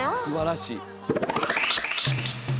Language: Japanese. すばらしい。